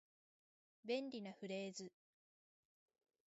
便利なフレーズ